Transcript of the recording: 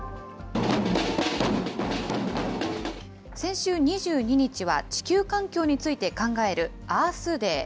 先週２２日は地球環境について考えるアース・デー。